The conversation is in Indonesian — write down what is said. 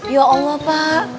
ya allah pak